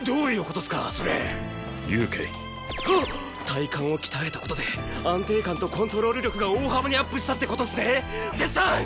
体幹を鍛えた事で安定感とコントロール力が大幅にアップしたって事っすねテツさん！